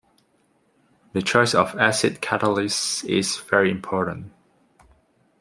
The choice of acid catalyst is very important.